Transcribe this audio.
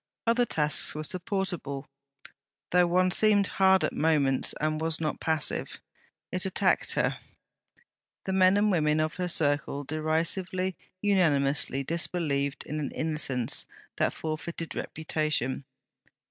Other tasks were supportable, though one seemed hard at moments and was not passive; it attacked her. The men and women of her circle derisively, unanimously, disbelieved in an innocence that forfeited reputation.